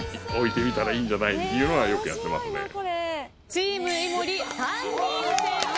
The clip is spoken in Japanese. チーム井森３人正解。